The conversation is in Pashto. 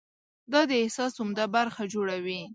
دا د احساس عمده برخه جوړوي.